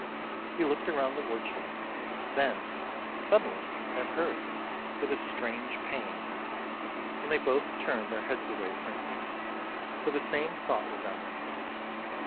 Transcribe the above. He looked around the workshop, then, suddenly, at her, with a strange pain, and they both turned their heads away for an instant, for the same thought was on them.